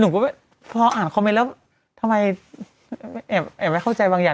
หนูก็พออ่านคอมเมนต์แล้วทำไมแอบไม่เข้าใจบางอย่าง